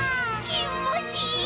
きんもちいい！